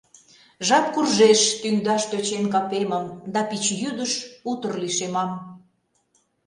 Жап куржеш, тӱҥдаш тӧчен капемым, Да пич йӱдыш утыр лишемам.